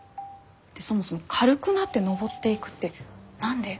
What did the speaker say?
でそもそも軽くなってのぼっていくって何で？